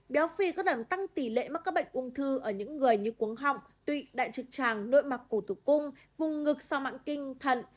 béo phì có làm tăng tỷ lệ mắc các bệnh ung thư ở những người như cuốn họng tụy đại trực tràng nội mặc cổ thụ cung vùng ngực sau mạng kinh thận